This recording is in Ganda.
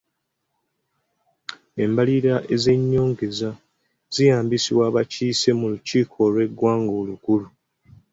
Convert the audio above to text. Embalirira ez'ennyongeza ziyisibwa abakiise mu lukiiko lw'eggwanga olukulu.